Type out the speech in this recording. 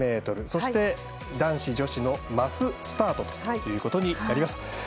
そして、男子・女子のマススタートということになります。